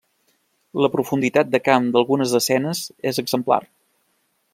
La profunditat de camp d'algunes escenes és exemplar.